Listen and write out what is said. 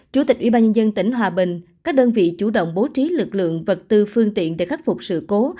chủ tịch ubnd tỉnh hòa bình các đơn vị chủ động bố trí lực lượng vật tư phương tiện để khắc phục sự cố